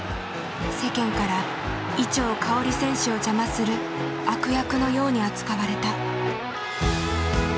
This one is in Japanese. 世間から伊調馨選手を邪魔する悪役のように扱われた。